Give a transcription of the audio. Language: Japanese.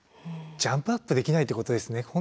ジャンプアップできないってことですね。